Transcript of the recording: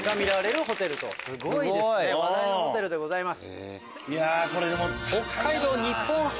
話題のホテルでございます。